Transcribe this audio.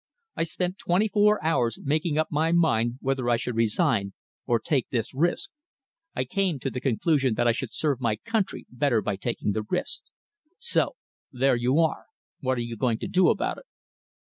I spent twenty four hours making up my mind whether I should resign or take this risk. I came to the conclusion that I should serve my country better by taking the risk. So there you are. What are you going to do about it?"